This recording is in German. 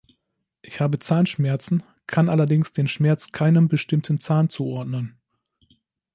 Ich habe Zahnschmerzen, kann allerdings den Schmerz keinem bestimmten Zahn zuordnen.